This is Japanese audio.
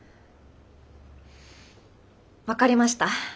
分かりました。